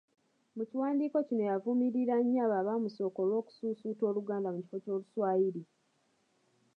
Mu kiwandiiko kino yavumirira nnyo abo abamusooka olw'okususuuta Oluganda mu kifo ky'oluswayiri.